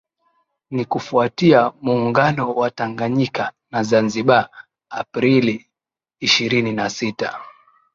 Ni kufuatia Muungano wa Tanganyika na Zanzibar Aprili ishirini na sita